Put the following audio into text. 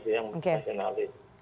yang berorientasi pada nasionalis